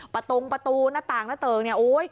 ประตุงประตูหน้าต่างหน้าเติง